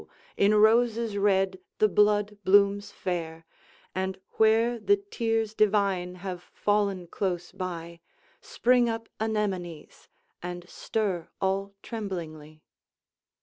in roses red the blood blooms fair, And where the tears divine have fallen close by, Spring up anemones, and stir all tremblingly.